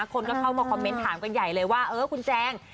คนก็เข้ามาคอมเมนต์ถามกันใหญ่เลยว่าเออคุณแจง